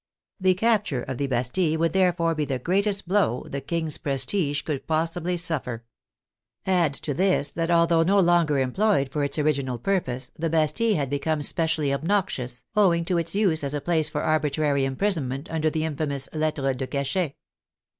The capture of the Bastille would therefore be the greatest blow the King's prestige could possibly suffer. Add to this, that although no longer employed for its original purpose, the Bastille had become specially obnoxious, owing to its use as a place for arbitrary imprisonment under the in famous lettres de cachet.